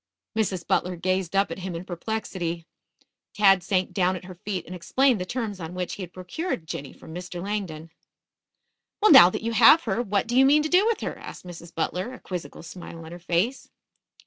Mrs. Butler gazed up at him in perplexity. Tad sank down at her feet and explained the terms on which he had procured Jinny from Mr. Langdon. "Well, now that you have her, what do you mean to do with her?" asked Mrs. Butler, a quizzical smile on her face.